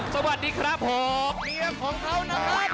สวัสดีครับผมเมียของเขานะครับ